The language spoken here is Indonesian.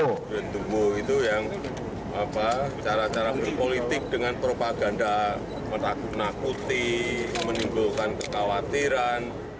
problem tubuh itu yang cara cara berpolitik dengan propaganda menakuti menimbulkan kekhawatiran